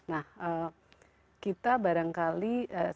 nah kita barangkali saatnya